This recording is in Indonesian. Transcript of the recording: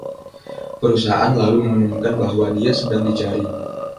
Perusahaan lalu mengumumkan bahwa dia sedang dicari.